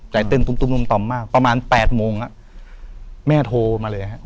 ใจเต้นตุ้มนุ่มต่อมมากประมาณ๘โมงแม่โทรมาเลยครับ